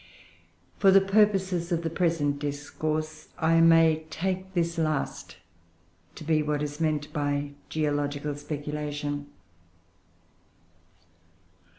For the purposes of the present discourse I may take this last to be what is meant by "geological speculation."